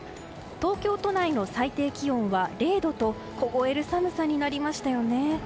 東京都内の最低気温は０度と凍える寒さになりましたよね。